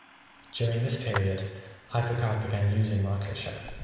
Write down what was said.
During this period, HyperCard began losing market share.